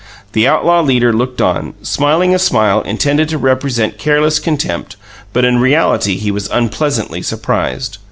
The outlaw leader looked on, smiling a smile intended to represent careless contempt, but in reality he was unpleasantly surprised.